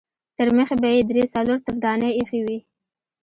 ترمخې به يې درې څلور تفدانۍ اېښې وې.